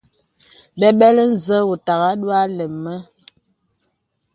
Bəbələ nzə wò òtà àdógā lēm mə.